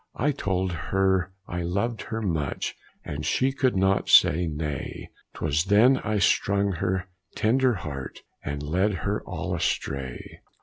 I told her I loved her much, And she could not say nay; 'Twas then I strung her tender heart, And led her all astray.